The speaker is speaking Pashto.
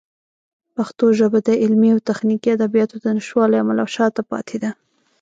پښتو ژبه د علمي او تخنیکي ادبیاتو د نشتوالي له امله شاته پاتې ده.